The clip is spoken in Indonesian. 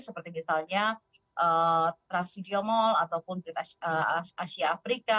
seperti misalnya trans sujumol ataupun asia afrika